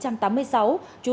huyện văn bàn tỉnh lào cai